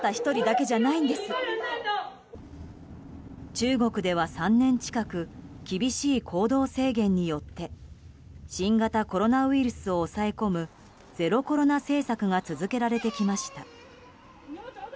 中国では３年近く厳しい行動制限によって新型コロナウイルスを抑え込むゼロコロナ政策が続けられてきました。